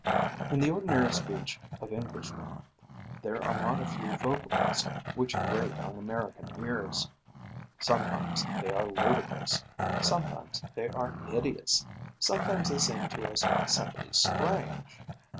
In the ordinary speech of Englishmen there are not a few vocables which grate on American ears. Sometimes they are ludicrous, sometimes they are hideous, sometimes they seem to us simply strange.